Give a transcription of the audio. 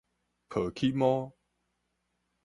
抱起毛